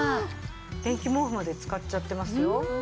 電気毛布まで使っちゃってますよ。